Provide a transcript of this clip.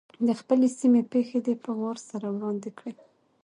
د خپلې سیمې پېښې دې په وار سره وړاندي کړي.